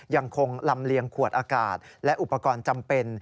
ยังคงลำเลียงขวดอากาศและอุปกรณ์จำเป็น